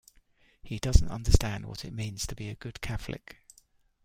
He doesn't understand what it means to be a good Catholic.